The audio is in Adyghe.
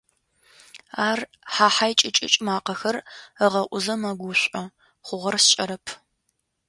Ар «хьа-хьай», «кӏы-кӏык»ӏ макъэхэр ыгъэӏузэ мэгушӏо, хъугъэр сшӏэрэп.